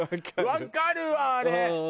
わかるわあれ。